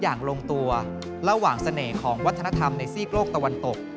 อย่างลงตัวระหว่างเสน่ห์ของวัฒนธรรมในซีกโลกตะวันตก